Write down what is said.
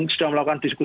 sudah melakukan disiplin